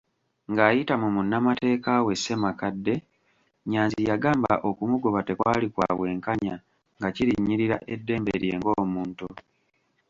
Ng'ayita mu munnamateeka we, Ssemakadde, Nnyanzi yagamba okumugoba tekwali kwabwenkanya nga kirinnyirira eddembe lye ng'omuntu.